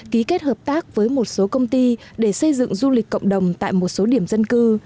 ký kết hợp tác với một số công ty để xây dựng du lịch cộng đồng tại một số điểm dân cư